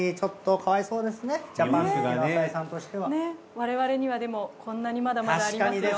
我々にはでもこんなにまだまだありますよ。